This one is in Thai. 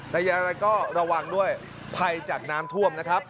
แต่อย่างไรก็ระวังด้วยภัยจากน้ำท่วมนะครับ